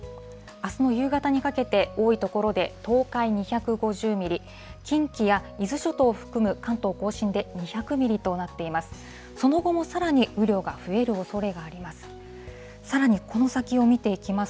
あすの夕方にかけて、多い所で、東海２５０ミリ、近畿や伊豆諸島を含む関東甲信で２００ミリとなっています。